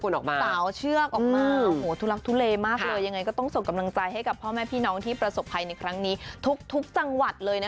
น้ำแข็งมากนะครับ